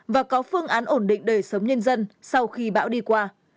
và có phương án ổn định đời sống nhân dân sau khi bão đi qua